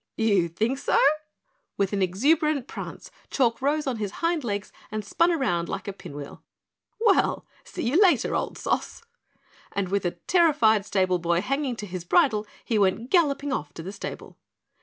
"You think so?" With an exuberant prance, Chalk rose on his hind legs and spun around like a pinwheel. "Well, see you later, old Sos!" And with the terrified stable boy hanging to his bridle he went galloping off to the stable.